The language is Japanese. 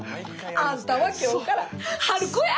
あんたは今日から春子や！